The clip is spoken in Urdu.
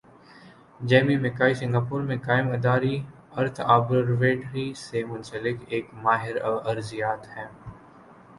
جیمی مک کائی سنگاپور میں قائم اداری ارتھ آبرو یٹری سی منسلک ایک ماہر ارضیات ہیں۔